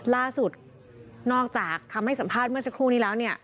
นอกจากคำให้สัมภาษณ์เมื่อสักครู่นี้แล้วเนี่ย